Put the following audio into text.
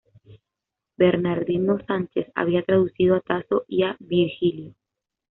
Bernardino Sánchez había traducido a Tasso y a Virgilio.